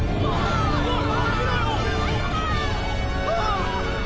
ああ！